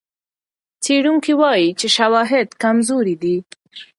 څېړونکي وايي چې شواهد کمزوري دي.